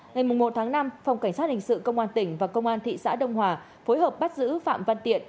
ngày một tháng năm phòng cảnh sát hình sự công an tỉnh và công an thị xã đông hòa phối hợp bắt giữ phạm văn tiện